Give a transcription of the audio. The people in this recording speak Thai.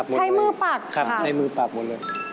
ใช้มือปากค่ะใช้มือปากหมดเลยค่ะค่ะ